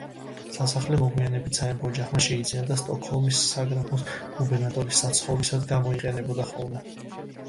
სასახლე მოგვიანებით სამეფო ოჯახმა შეიძინა და სტოკჰოლმის საგრაფოს გუბერნატორის საცხოვრისად გამოიყენებოდა ხოლმე.